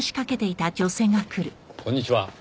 こんにちは。